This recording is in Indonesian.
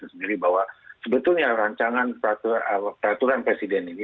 sendiri bahwa sebetulnya rancangan peraturan presiden ini